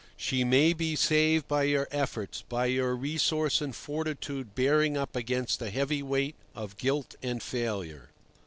She may be saved by your efforts, by your resource and fortitude bearing up against the heavy weight of guilt and failure.